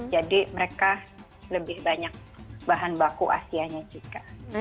jadi mereka lebih banyak bahan baku asianya juga